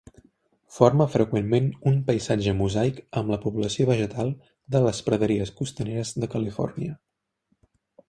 Forma freqüentment un paisatge mosaic amb la població vegetal de les praderies costaneres de Califòrnia.